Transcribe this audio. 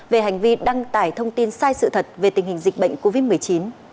về hành vi đăng tải thông tin sai sự thật về tình hình dịch bệnh covid một mươi chín